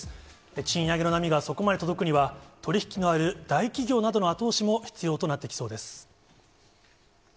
賃上げの波がそこまで届くには、取り引きのある大企業などの後押しも必要となってきそうです。